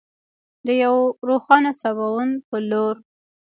د یو روښانه سباوون په لور.